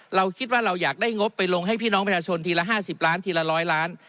เราคิดว่าเราอยากได้งบไปลงให้พี่น้องประชาชนทีละ๕๐ล้านทีละ๑๐๐ล้าน